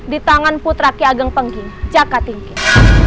di tangan putra ki ageng pengging jaka tingkit